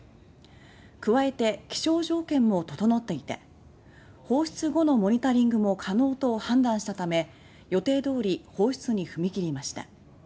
加えて気象条件も整っていて放出後のモニタリングも可能と判断したため予定通り放出に踏み切りました。